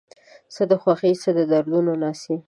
څه د خوښۍ څه د دردونو ناڅي